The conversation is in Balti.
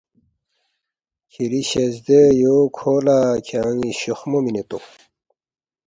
کھِری شزدے یو کھو لہ کھیان٘ی شوخمو مِنے تونگ